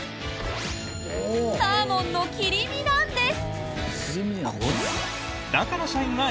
サーモンの切り身なんです。